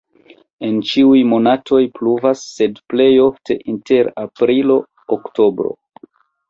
En ĉiuj monatoj pluvas, sed plej ofte inter aprilo-oktobro.